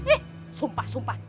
eh sumpah sumpah